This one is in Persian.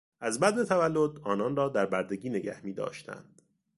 از بدو تولد آنان را در بردگی نگه میداشتند.